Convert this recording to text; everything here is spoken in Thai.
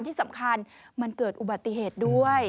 ที่สำคัญมันเกิดอุบัติเหตุด้วย